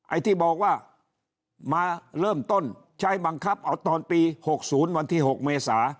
ไอ้ที่บอกว่ามาเริ่มต้นใช้บังคับเอาตอนปี๖๐วันที่๖เมษา